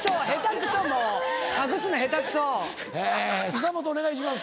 久本お願いします。